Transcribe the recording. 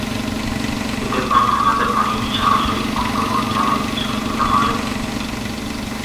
এতে পাক-হানাদার বাহিনী সরাসরি আক্রমণ চালায় শহীদুল্লাহ্ হলের অভ্যন্তরে।